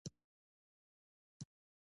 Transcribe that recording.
هغه د فلاني کال د جولای پر لومړۍ ولیکل.